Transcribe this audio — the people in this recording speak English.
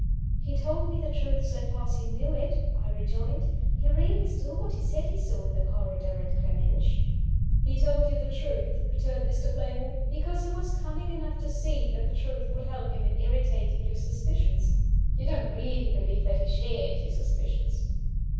"He told me the truth so far as he knew it," I rejoined. "He really saw what he said he saw in the corridor at Gleninch." "He told you the truth," returned Mr. Playmore, "because he was cunning enough to see that the truth would help him in irritating your suspicions. You don't really believe that he shared your suspicions?"